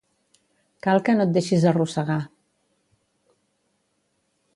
Cal que no et deixis arrossegar.